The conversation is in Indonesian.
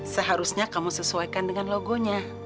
seharusnya kamu sesuaikan dengan logonya